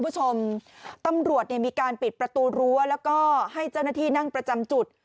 ตำรวจมีการปิดประตูรั้วแล้วก็ให้เจ้าหน้าที่นั่งประจำจุด